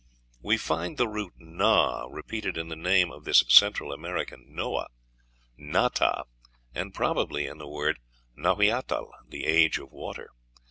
We find the root Na repeated in the name of this Central American Noah, Na ta, and probably in the word "Na hui atl" the age of water.